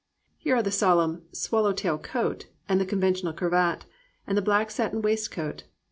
Here are the solemn "swallow tail coat," the conventional cravat, and the black satin waistcoat.